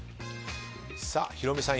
さあヒロミさん。